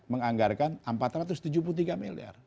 menganggarkan empat ratus tujuh puluh tiga miliar